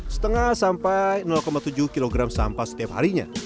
setengah sampai tujuh kg sampah setiap harinya